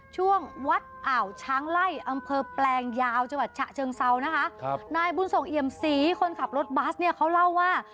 ช่วงวัดอ่าวช้างไล่อำเภอแปลงยาวจังหวัดฉะเชิงเซานะคะครับนายบุญส่งเอี่ยมศรีคนขับรถบัสเนี่ยเขาเล่าว่า